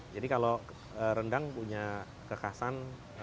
jadi kalau rendang punya kekasan